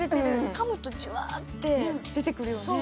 かむとジュワーって出てくるよね。